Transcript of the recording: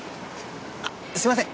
あっすみません！